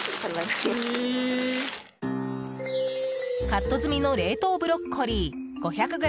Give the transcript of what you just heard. カット済みの冷凍ブロッコリー。